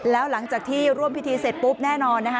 แล้วหลังจากที่ร่วมพิธีเสร็จปุ๊บแน่นอนนะคะ